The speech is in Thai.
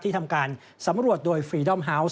ทำการสำรวจโดยฟรีดอมฮาวส์